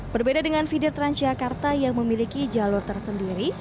berbeda dengan feeder transjakarta yang memiliki jalur tersendiri